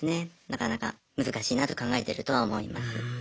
なかなか難しいなと考えてるとは思います。